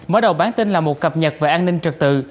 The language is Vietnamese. mở đầu bản tin là một cập nhật về an ninh trật tự